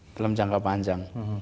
dalam jangka panjang